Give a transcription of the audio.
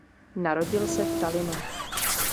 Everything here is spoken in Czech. Narodil se v Tallinnu.